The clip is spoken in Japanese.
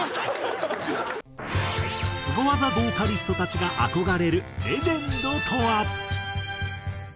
スゴ技ボーカリストたちが憧れるレジェンドとは？